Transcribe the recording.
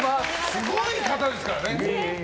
すごい方ですからね！